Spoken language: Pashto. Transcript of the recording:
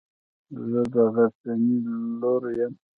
زه د غرڅنۍ لور يم.